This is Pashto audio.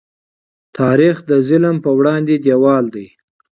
تاریخ د ظلم په وړاندې دیوال دی.